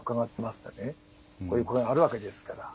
こういう声があるわけですから。